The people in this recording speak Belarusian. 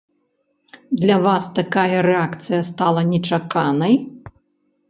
Для вас такая рэакцыя стала нечаканай?